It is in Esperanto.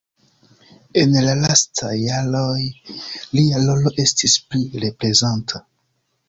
En la lastaj jaroj lia rolo estis pli reprezenta.